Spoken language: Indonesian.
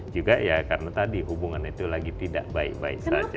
juga ya karena tadi hubungan itu lagi tidak baik baik saja